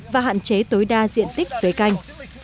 và hạn chế tối đa diện tích tuế canh